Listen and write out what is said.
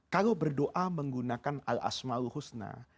kalau berdoa menggunakan al asma'ul husna